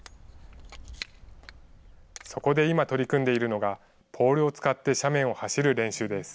そこで今、取り組んでいるのが、ポールを使って斜面を走る練習です。